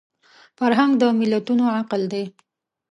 فرهنګ د ملتونو عقل دی